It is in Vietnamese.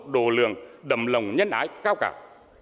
đồ lường đầm lòng nhân ái cao cảo